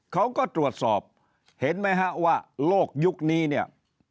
เขาก็ตรวจสอบเห็นไหมฮะว่าโลกยุคนี้เนี่ย